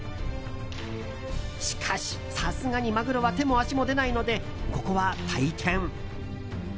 しかし、さすがにマグロは手も足も出ないので、ここは退店。